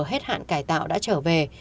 hết hạn cải tạo đã trở về